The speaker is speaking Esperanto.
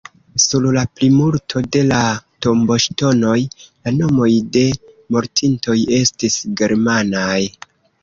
Sur la plimulto de la tomboŝtonoj, la nomoj de mortintoj estis germanaj.